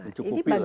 ini cukupi lah